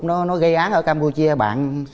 nó gây án ở campuchia